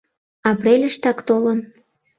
— Апрельыштак толын.